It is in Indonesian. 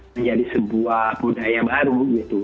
menjadi sebuah budaya baru gitu